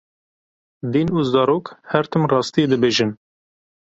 Dîn û zarok her tim rastiyê dibêjin.